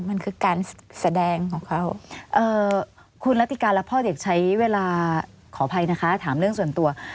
มันคือการแสดงของเขา